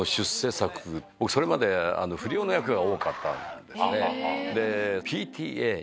僕それまで不良の役が多かったんですね。